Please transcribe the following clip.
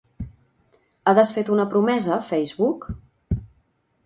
Ha desfet una promesa, Facebook?